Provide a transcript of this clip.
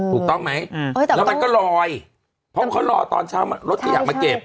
ถูกต้องไหมแล้วมันก็ลอยเพราะเขารอตอนเช้ารถขยะมาเก็บ